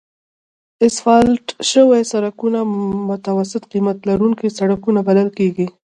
اسفالت شوي سړکونه متوسط قیمت لرونکي سړکونه بلل کیږي